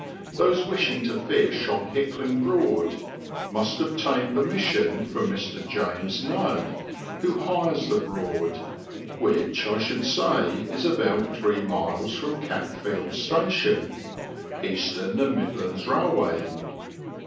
Those wishing to fish on Hickling Broad must obtain permission from Mr James Nudd, who hires the Broad, which I should say is about three miles from Gatfield Station (£astem and Midlands Bailway).